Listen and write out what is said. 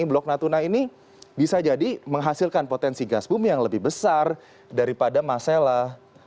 blok natuna ini bisa jadi menghasilkan potensi gas bumi yang lebih besar daripada masalah